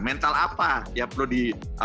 mental apa yang perlu di